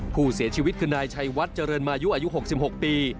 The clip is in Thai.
ผู้เสียชีวิตคือนายชัยวัดเจริญมายุอายุ๖๖ปี